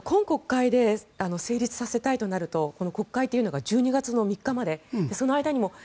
末延さん、今国会で成立させたいとなるとこの国会というのが１２月３日まで。